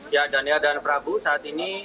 ya dan ya dan prabu saat ini